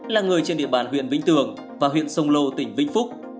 là người trên địa bàn huyện vĩnh tường và huyện sông lô tỉnh vĩnh phúc